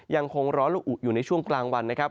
ยังคงร้อนละอุอยู่ในช่วงกลางวันนะครับ